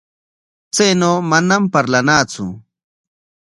Chaynaw manam parlanatsu.